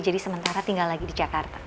jadi sementara tinggal lagi di jakarta